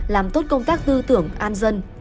làm tốt công tác tư tưởng an dân